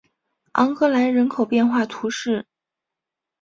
昂格莱人口变化图示